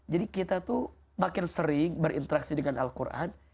jadi kita tuh makin sering berinteraksi dengan al quran